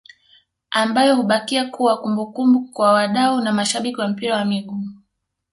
ambayo hubakia kuwa kumbukumbu kwa wadau na mashabiki wa mpira wa miguu